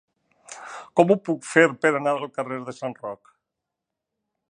Com ho puc fer per anar al carrer de Sant Roc?